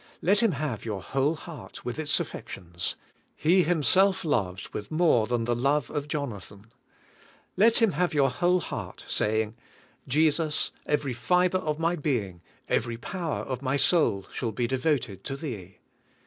Let Him have your whole heart, with its affections; He Himself loves, with more than the love of Jonathan. Let Him have your whole heart, saying, "Jesus, every fiber of my being, ever power of my soul, shall be devoted to Thee."